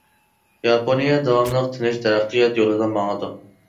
ياپونىيە داۋاملىق تىنچ تەرەققىيات يولىدا ماڭىدۇ.